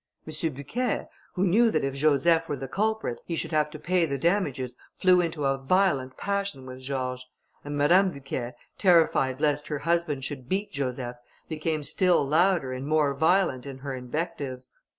M. Bucquet, who knew that if Joseph were the culprit, he should have to pay the damages, flew into a violent passion with George; and Madame Bucquet, terrified lest her husband should beat Joseph, became still louder and more violent in her invectives: M.